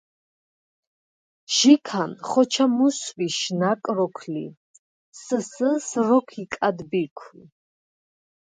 ჟიქან ხოჩა მუსვიშ ნაკ როქ ლი: “სსჷს” როქ იკად ბიქვ.